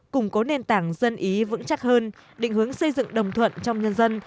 củng cố nền tảng dân ý vững chắc hơn định hướng xây dựng đồng thuận trong nhân dân